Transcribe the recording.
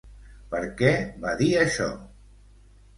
Per què va dir això?